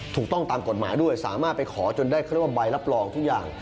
ถูกต้องตามกฎหมายด้วยสามารถไปขอจนได้เขาเรียกว่าใบรับรองทุกอย่าง